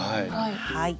はい。